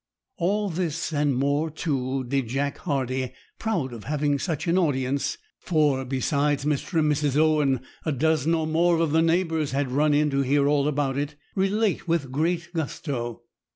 All this, and more too, did Jack Hardie, proud of having such an audience—for, besides Mr. and Mrs. Owen, a dozen or more of the neighbours had run in to hear all about it—relate with great gusto.